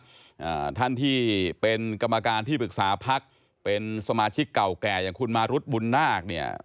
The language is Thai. อ่าท่านที่เป็นกรรมการที่ปรึกษาพักเป็นสมาชิกเก่าแก่อย่างคุณมารุธบุญนาคเนี่ย